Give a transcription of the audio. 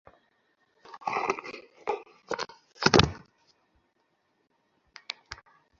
কী করছিস তুই?